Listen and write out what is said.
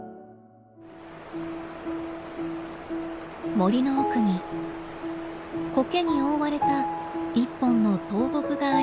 森の奥にコケに覆われた１本の倒木がありました。